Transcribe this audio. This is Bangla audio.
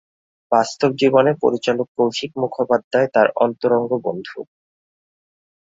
বাস্তব জীবনে পরিচালক কৌশিক মুখোপাধ্যায় তার অন্তরঙ্গ বন্ধু।